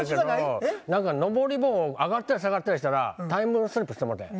何かのぼり棒上がったり下がったりしたらタイムスリップしてもうてん。